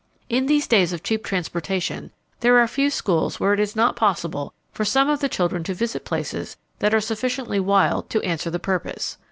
In these days of cheap transportation there are few schools where it is not possible for some of the children to visit places that are sufficiently wild to answer the purpose.